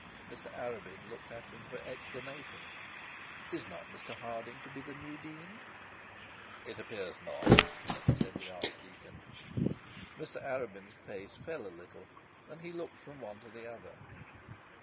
Mr Arabin looked to him for explanation. 'Is not Mr Harding to be the new dean?' 'It appears not,' said the archdeacon. Mr Arabin's face fell a little, and he looked from one to the other.